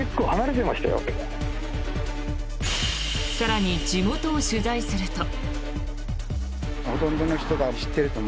更に、地元を取材すると。